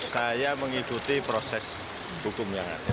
saya mengikuti proses hukum yang ada